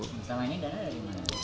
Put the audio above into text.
selama ini dana dari mana